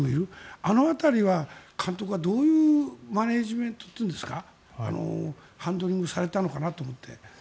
あの辺りは監督はどういうマネジメントというんですかハンドリングをされたのかなと思って。